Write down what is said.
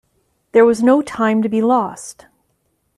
There was no time to be lost.